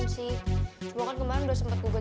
jangan lupa rok